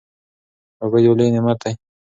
اوبه یو لوی نعمت دی.